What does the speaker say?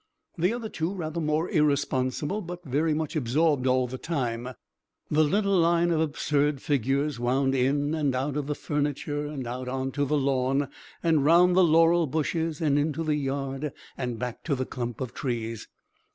The other two rather more irresponsible but very much absorbed all the same. The little line of absurd figures wound in and out of the furniture, and out on to the lawn, and round the laurel bushes, and into the yard, and back to the clump of trees.